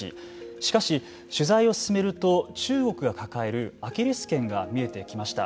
しかし、取材を進めると中国が抱えるアキレスけんが見えてきました。